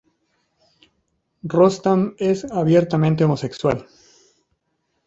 Rostam es abiertamente homosexual.